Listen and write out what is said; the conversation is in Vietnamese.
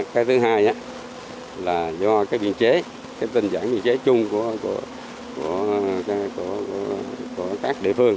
cái thứ hai á là do cái biên chế cái tình dạng biên chế chung của các địa phương